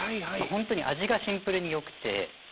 本当に味がシンプルによくて。